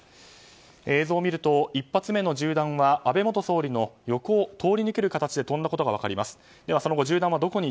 映像を見ると１発目の銃弾は安倍元総理の横を通り抜ける形で飛んだことが分かります。